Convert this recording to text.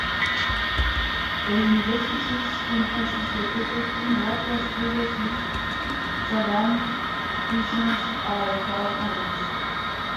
The university’s campus is located in what was previously Saddam Hussein’s Al Faw Palace.